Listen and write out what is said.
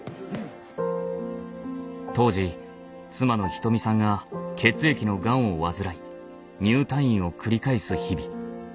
当時妻の瞳さんが血液のがんを患い入退院を繰り返す日々。